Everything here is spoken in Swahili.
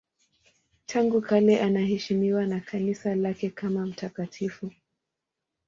Tangu kale anaheshimiwa na Kanisa lake kama mtakatifu.